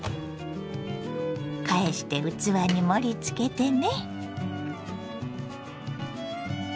返して器に盛りつけてね。